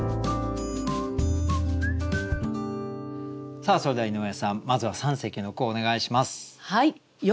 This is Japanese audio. さあそれでは井上さんまずは三席の句をお願いします。